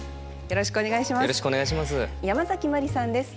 よろしくお願いします。